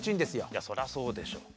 いやそりゃそうでしょ。